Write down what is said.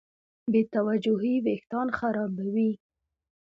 بېتوجهي وېښتيان خرابوي.